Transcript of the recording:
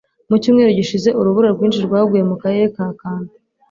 Mu cyumweru gishize, urubura rwinshi rwaguye mu karere ka Kanto.